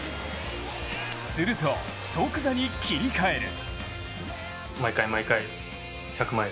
すると、即座に切り替える。